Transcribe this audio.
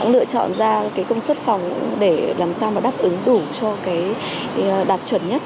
lựa chọn ra công suất phòng để làm sao đáp ứng đủ cho đạt chuẩn nhất